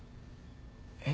えっ？